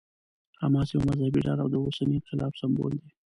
حماس یوه مذهبي ډله او د اوسني انقلاب سمبول دی.